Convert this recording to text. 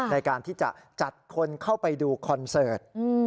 ในการที่จะจัดคนเข้าไปดูคอนเสิร์ต